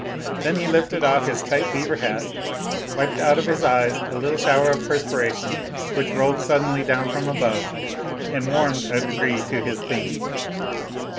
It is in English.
Then he lifted off his tight beaver hat, wiped out of his eyes a little shower of perspiration which rolled suddenly down from above, and warmed a degree to his theme.